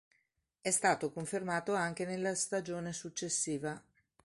È stato confermato anche nella stagione successiva.